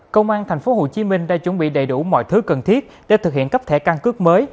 công an tp hcm đã chuẩn bị đầy đủ mọi thứ cần thiết để thực hiện cấp thẻ căn cước mới